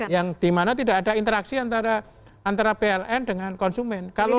yang dimana tidak ada interaksi antara pln dengan konsumen